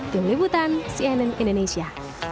tim liputan cnn indonesia